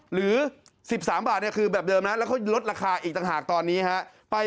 หรือ๑๓บาทคือแบบเดิมนะแล้วเขาลดราคาอีกต่างหากตอนนี้ฮะ